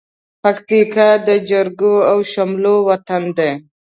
پکتيا د جرګو او شملو وطن دى.